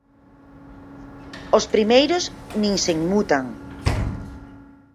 Os primeiros, nin se inmutan.